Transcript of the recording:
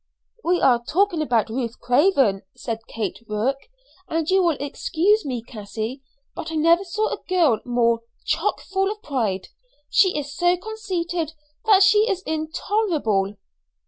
"We are talking about Ruth Craven," said Kate Rourke; "and you will excuse me, Cassie, but I never saw a girl more chock full of pride. She is so conceited that she is intolerable."